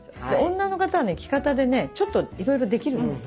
女の方はね着方でねちょっといろいろできるんです。